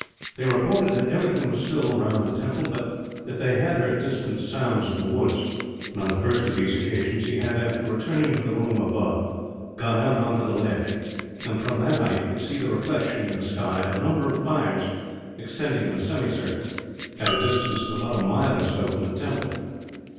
They reported that everything was still round the temple, but that they had heard distant sounds in the woods; and on the first of these occasions he had, after returning to the room above, gone out on to the ledge; and from that height could see the reflection, in the sky, of a number of fires extending in a semicircle, at a distance of a mile or so from the temple.